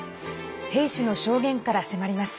兵士の証言から迫ります。